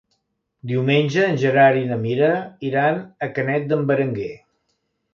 Diumenge en Gerard i na Mira iran a Canet d'en Berenguer.